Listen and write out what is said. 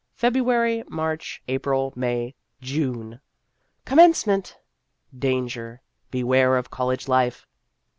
Febru ary, March, April, May, June! Com mencement. Danger ! Beware of college life